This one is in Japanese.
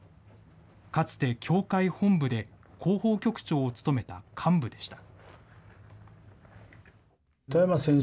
かつて教会本部で広報局長を務めた幹部でした。